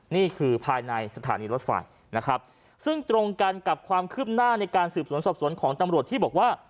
นี่คือภายในสถานีรถไฟนะครับ